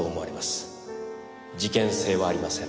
事件性はありません。